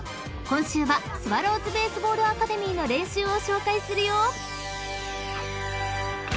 ［今週はスワローズベースボールアカデミーの練習を紹介するよ］